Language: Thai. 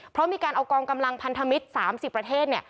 เพราะมีการเอากองกำลังพันธมิตร๓๐ประเทศ